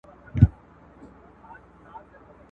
او همدلته به اوسېږي ..